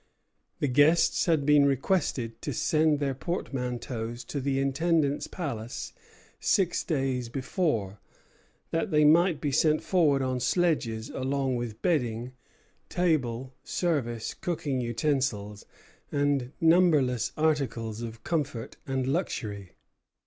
The guests had been requested to send their portmanteaus to the Intendant's Palace six days before, that they might be sent forward on sledges along with bedding, table service, cooking utensils, and numberless articles of comfort and luxury.